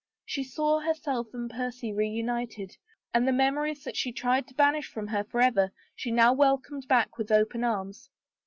She saw herself and Percy reunited and the memories that she tried to banish from her forever she now welcomed back with open arms.